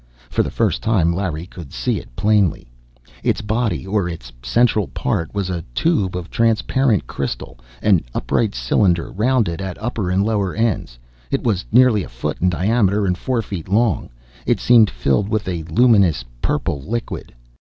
For the first time, Larry could see it plainly. Its body, or its central part, was a tube of transparent crystal; an upright cylinder, rounded at upper and lower ends. It was nearly a foot in diameter, and four feet long. It seemed filled with a luminous, purple liquid.